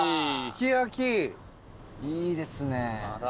いいですね。